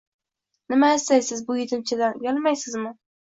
Nima istaysiz bu yetimchadan? Uyalmaysizmi?